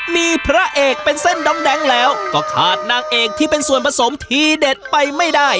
มีพระเอกเป็นเส้นด้อมแดงแล้วก็ขาดนางเอกที่เป็นส่วนผสมทีเด็ดไปไม่ได้